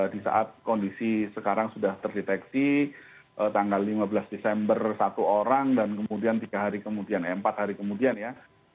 di saat kondisi sekarang sudah terdeteksi tanggal lima belas desember satu orang dan kemudian tiga hari kemudian eh empat hari kemudian ya